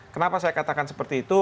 kenapa saya katakan seperti itu